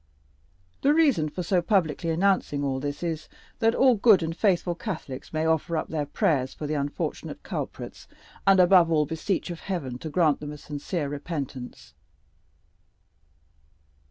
The reason for so publicly announcing all this is, that all good and faithful Catholics may offer up their prayers for the unfortunate culprits, and, above all, beseech of Heaven to grant them a sincere repentance."